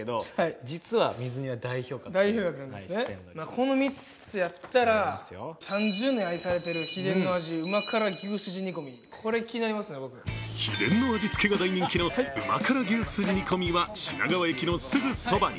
この３つやったら、３０年愛されている秘伝の味旨辛牛すじ煮込、秘伝の味が大人気の旨辛牛すじ煮込は品川駅のすぐそばに。